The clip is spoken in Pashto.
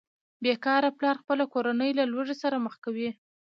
بې کاره پلار خپله کورنۍ له لوږې سره مخ کوي